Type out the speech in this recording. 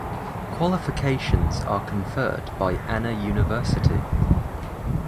Qualifications are conferred by Anna University.